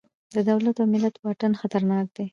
د دولت او ملت واټن خطرناک دی.